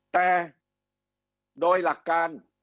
แต่โดยหลักการ